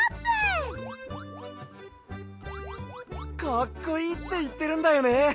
かっこいいっていってるんだよね！